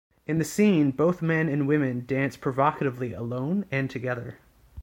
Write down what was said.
In the scene, both men and women dance provocatively alone and together.